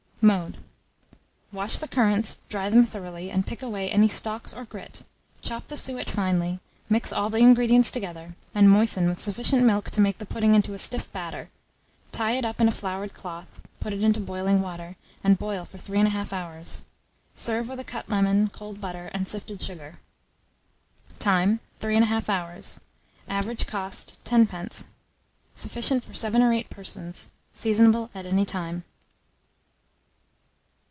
Mode. Wash the currants, dry them thoroughly, and pick away any stalks or grit; chop the suet finely; mix all the ingredients together, and moisten with sufficient milk to make the pudding into a stiff batter; tie it up in a floured cloth, put it into boiling water, and boil for 3 1/2 hours; serve with a cut lemon, cold butter, and sifted sugar. Time. 3 1/2 hours. Average cost, 10d. Sufficient for 7 or 8 persons. Seasonable at any time.